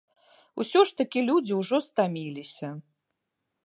Усё ж такі людзі ўжо стаміліся.